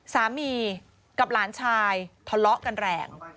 สามีกับหลานชายทะเลาะกันแรง